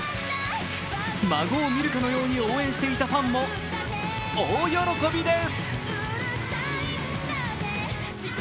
孫を見るかのように応援していたファンも大喜びです。